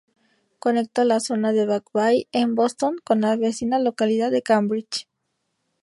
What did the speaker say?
Conecta la zona de Back Bay, en Boston, con la vecina localidad de Cambridge.